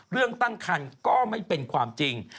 เรื่องตั้งคันก็ไม่เป็นความจริง